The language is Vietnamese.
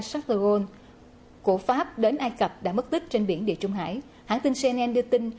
charles de gaulle của pháp đến ai cập đã mất tích trên biển địa trung hải hãng tin cnn đưa tin